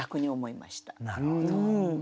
なるほど。